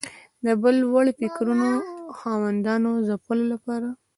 د بل وړ فکرونو خاوندانو ځپلو لپاره